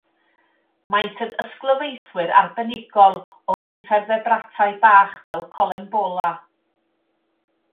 Maent yn ysglyfaethwyr arbenigol o infertebratau bach fel collembola.